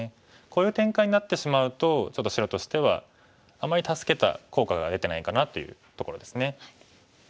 こういう展開になってしまうとちょっと白としてはあんまり助けた効果が出てないかなというところですね。